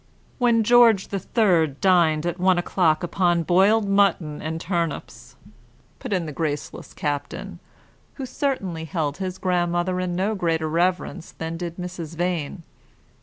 "When George the Third dined at one o'clock upon boiled mutton and turnips," put in the graceless captain, who certainly held his grandmother in no greater reverence than did Mrs. Vane.